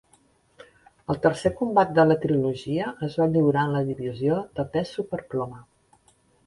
El tercer combat de la trilogia es va lliurar en la divisió de pes superploma.